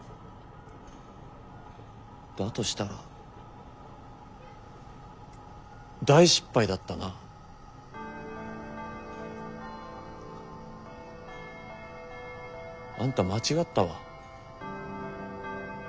だとしたら大失敗だったな。あんた間違ったわ。